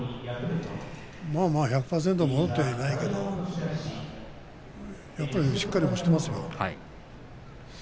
まあまあ１００％戻ってはいないけれどやっぱりしっかりもしていますよ。